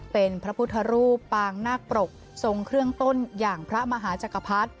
เป็นพระพุทธรูปปางนาคปรกทรงเครื่องต้นอย่างพระมหาจักรพรรดิ